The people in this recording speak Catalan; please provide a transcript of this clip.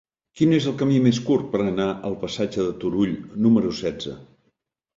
Quin és el camí més curt per anar al passatge de Turull número setze?